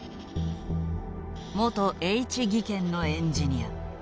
元Ｈ技研のエンジニア。